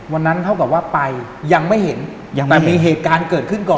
วันนั้นเขาก็ว่าไปยังไม่เห็นแต่มีเหตุการณ์เกิดขึ้นก่อน